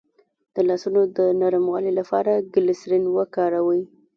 د لاسونو د نرموالي لپاره ګلسرین وکاروئ